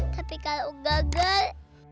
tapi kalau gagal